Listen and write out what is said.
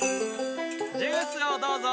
ジュースをどうぞ。